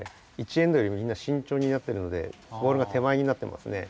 １エンドよりもみんなしんちょうになってるのでボールが手前になってますね。